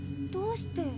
どうして。